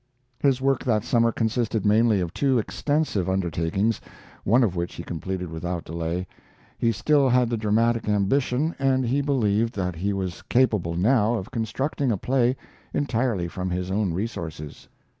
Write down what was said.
His work that summer consisted mainly of two extensive undertakings, one of which he completed without delay. He still had the dramatic ambition, and he believed that he was capable now of constructing a play entirely from his own resources.